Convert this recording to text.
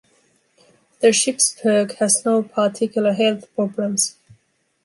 The Schipperke has no particular health problems.